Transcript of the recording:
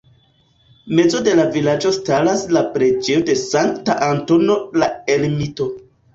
Mezo de la vilaĝo staras la preĝejo de Sankta Antono la Ermito.